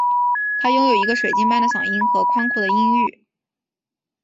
她拥有一个水晶般的嗓音和宽阔的音域。